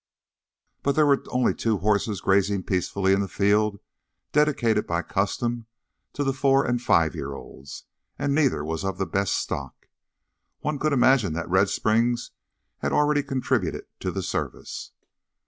But there were only two horses grazing peacefully in the field dedicated by custom to the four and five year olds, and neither was of the best stock. One could imagine that Red Springs had already contributed to the service.